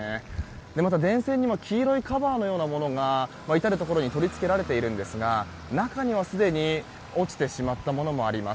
また電線にも黄色いカバーのようなものが至るところに取り付けられているんですが中には、すでに落ちてしまったものもあります。